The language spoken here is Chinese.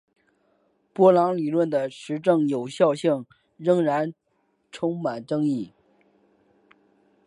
波浪理论的实证有效性仍然充满争议。